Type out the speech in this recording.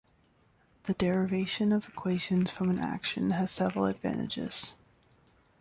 The derivation of equations from an action has several advantages.